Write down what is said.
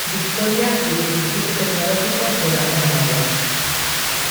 Victoria y el Instituto Tecnológico de la zona Maya.